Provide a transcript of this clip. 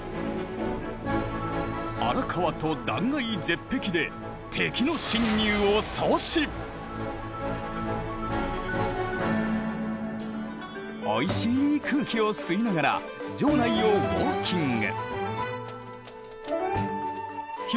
荒川と断崖絶壁でおいしい空気を吸いながら城内をウォーキング。